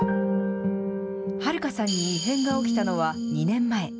はるかさんに異変が起きたのは、２年前。